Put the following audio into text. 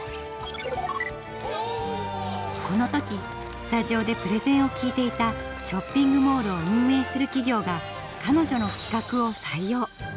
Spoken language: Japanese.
この時スタジオでプレゼンを聞いていたショッピングモールを運営する企業が彼女の企画を採用。